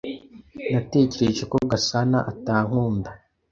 Natekereje ko Gasana atankunda.